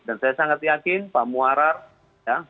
dan saya sangat yakin pak muarar ya